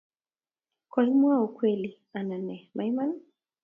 Koimwai ukweli ana ne, maiman?